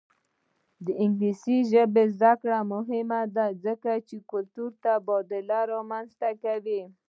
د انګلیسي ژبې زده کړه مهمه ده ځکه چې کلتوري تبادله رامنځته کوي.